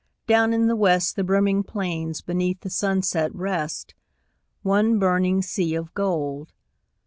Down in the west The brimming plains beneath the sunset rest, One burning sea of gold.